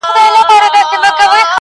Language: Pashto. • د ورور په وینو پړسېدلي پیدا نه سمیږو -